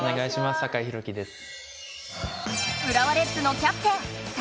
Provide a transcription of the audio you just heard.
酒井宏樹です。